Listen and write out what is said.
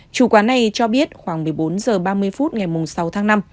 chủ quán này cho biết khoảng một mươi bốn h ba mươi phút ngày sáu tháng năm